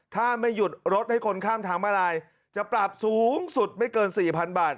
ถ้าไม่หยุดรถให้คนข้ามทางมาลายจะปรับสูงสุดไม่เกิน๔๐๐๐บาท